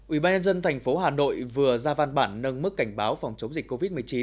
ủy ban nhân dân thành phố hà nội vừa ra văn bản nâng mức cảnh báo phòng chống dịch covid một mươi chín